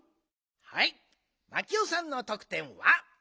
はいマキオさんのとくてんは？